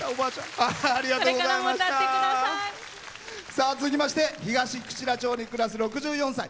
さあ続きまして東串良町に暮らす６４歳。